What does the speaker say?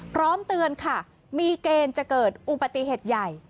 พร้อมเตือนค่ะมีเกณฑ์จะเกิดอุปติเหตุใหญ่